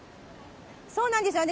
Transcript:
そうなんですよね。